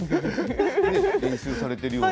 練習されているような。